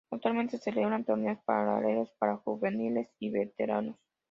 Actualmente se celebran torneos paralelos para juveniles y veteranos.